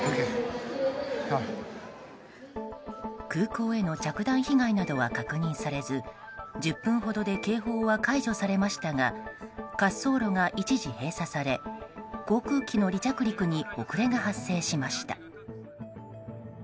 空港への着弾被害などは確認されず１０分ほどで警報は解除されましたが滑走路が一時閉鎖され航空機の離着陸に遅れが発生しました。